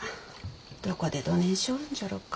どこでどねんしょうるんじゃろうか。